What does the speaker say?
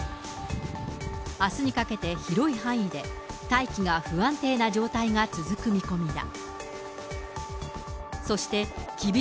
あすにかけて広い範囲で、大気が不安定な状態が続く見込みだ。